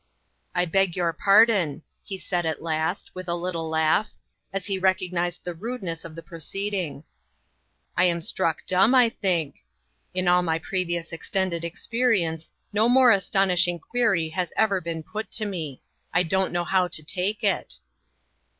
" I beg your pardon," he said at last, with a little laugh, as he recognized the rudeness of the proceeding ;" I am struck dumb, I think. In all my previous extended experi ence no more astonishing query has ever been put to me. I don't know how to take it."